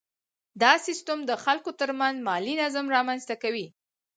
دا سیستم د خلکو ترمنځ مالي نظم رامنځته کوي.